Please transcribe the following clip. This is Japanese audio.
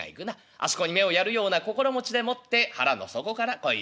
あそこに目をやるような心持ちでもって腹の底から声を出す。